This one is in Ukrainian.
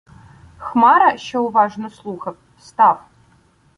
Хмара, що уважно слухав, встав.